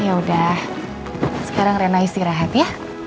ya udah sekarang rena istirahat ya